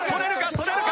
捕れるか？